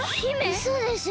うそでしょ？